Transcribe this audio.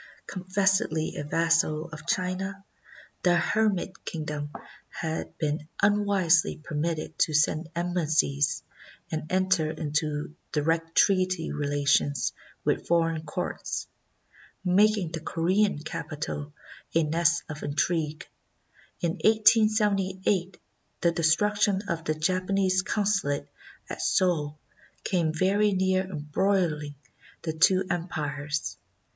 Confessedly a vassal of China, the Hermit Kingdom had been unwisely per mitted to send embassies and enter into direct treaty relations with foreign courts, making the Corean capi tal a nest of intrigue. In 1878 the destruction of the Japanese Consulate at Seoul came very near embroiUng the two empires.